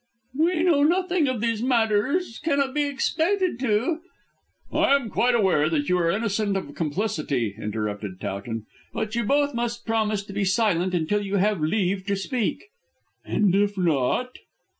"We, knowing nothing of these matters, cannot be expected to " "I am quite aware that you are innocent of complicity," interrupted Towton, "but you both must promise to be silent until you have leave to speak." "And if not?"